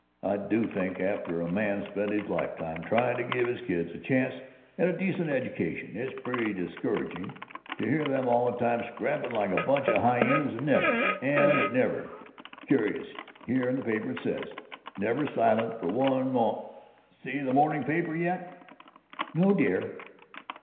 I do think after a man's spent his lifetime trying to give his kids a chance and a decent education, it's pretty discouraging to hear them all the time scrapping like a bunch of hyenas and never and never Curious; here in the paper it says Never silent for one mom Seen the morning paper yet?" "No, dear."